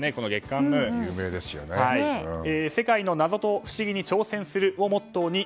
世界の謎と不思議に挑戦するをモットーに。